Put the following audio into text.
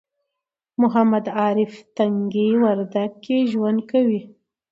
محمد عارف تنگي وردک کې ژوند کوي